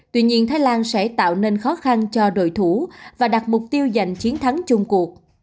tuy nhiên thái lan sẽ tạo nên khó khăn cho đội thủ và đặt mục tiêu giành chiến thắng chung cuộc